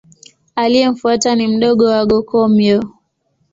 Aliyemfuata ni mdogo wake Go-Komyo.